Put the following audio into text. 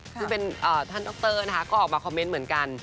ซึ่งเป็นท่านดรนะคะก็ออกมาคอมเมนต์เหมือนกัน